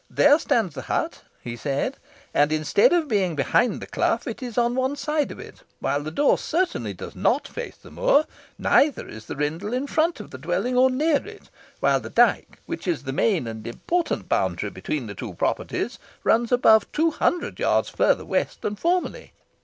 "There stands the hut," he said, "and instead of being behind the clough, it is on one side of it, while the door certainly does not face the moor, neither is the rindle in front of the dwelling or near it; while the dyke, which is the main and important boundary line between the properties, runs above two hundred yards further west than formerly.